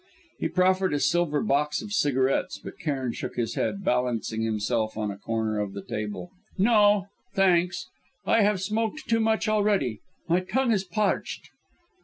He proffered a silver box of cigarettes, but Cairn shook his head, balancing himself on a corner of the table. "No; thanks. I have smoked too much already; my tongue is parched."